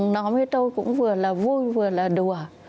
nói với tôi cũng vừa là vui vừa là đùa